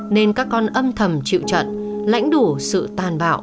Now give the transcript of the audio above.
nên các con âm thầm chịu trận lãnh đủ sự tàn bạo